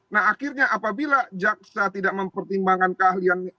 nah akhirnya apabila jaksa tidak mempertimbangkan keahlian